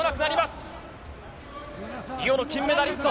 リオの金メダリスト。